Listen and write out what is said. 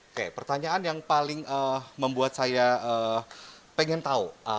oke pertanyaan yang paling membuat saya pengen tahu